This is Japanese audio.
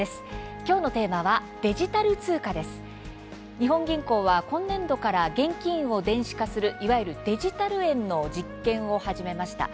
日本銀行は今年度から現金を電子化するいわゆるデジタル円の実験を始めました。